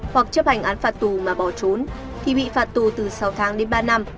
hoặc chấp hành án phạt tù mà bỏ trốn thì bị phạt tù từ sáu tháng đến ba năm